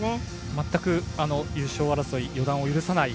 全く、優勝争い予断を許さない